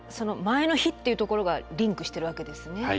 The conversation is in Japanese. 前の日っていうところがリンクしてるわけですね。